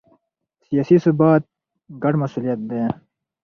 سیاسي ثبات ګډ مسوولیت دی